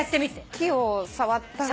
木を触ったら。